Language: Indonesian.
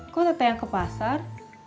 kok teteh yang ke pasar